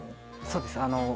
そうです